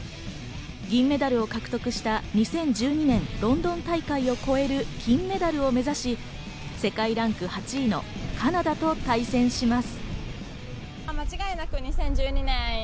銀メダルを獲得した２０１２年ロンドン大会を超える金メダルを目指し、世界ランク８位のカナダと対戦します。